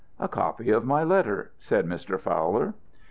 "A copy of my letter," said Mr. Fowler.